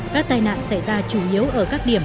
các tai nạn xảy ra chủ yếu ở các điểm